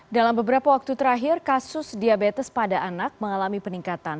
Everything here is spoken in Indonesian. dalam beberapa waktu terakhir kasus diabetes pada anak mengalami peningkatan